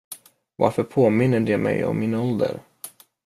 Varför påminner de mig om min ålder?